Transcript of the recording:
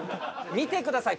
見てください。